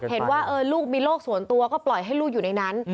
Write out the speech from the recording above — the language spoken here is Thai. เห็นว่าลูกมีโรคส่วนตัวก็ปล่อยให้ลูกอยู่ในนั้น